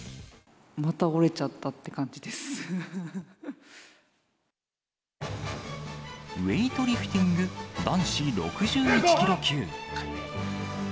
また折れちゃったって感じでウエイトリフティング男子６１キロ級。